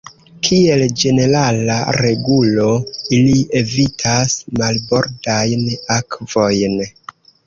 Kiel ĝenerala regulo, ili evitas marbordajn akvojn.